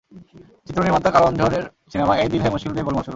চিত্রনির্মাতা করণ জোহরের সিনেমা অ্যায় দিল হ্যায় মুশকিল নিয়ে গোলমাল শুরু।